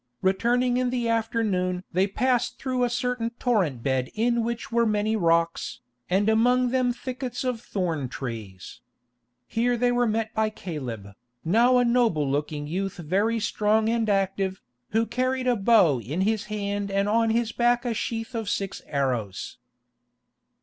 Returning in the afternoon they passed through a certain torrent bed in which were many rocks, and among them thickets of thorn trees. Here they were met by Caleb, now a noble looking youth very strong and active, who carried a bow in his hand and on his back a sheath of six arrows.